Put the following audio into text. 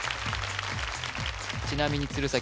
ちなみに鶴崎